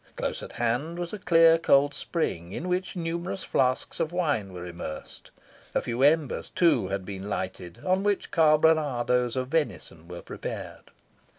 Close at hand was a clear cold spring, in which numerous flasks of wine were immersed. A few embers, too, had been lighted, on which carbonadoes of venison were prepared.